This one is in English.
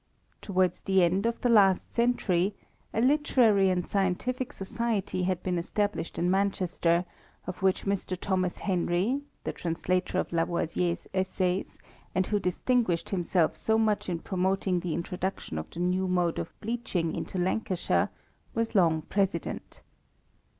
Towards the end' of the last century, a literary and scientific society had been established in Manchester, of which Mr. Thomas Henry, the translator of Lavoisier's Essays, and who distinguished himself so much in promoting OF THE ATOMIC THEORY. 287 the introduction of the new mode of bleaching into Lancashire, was long president.